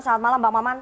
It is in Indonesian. selamat malam mbak maman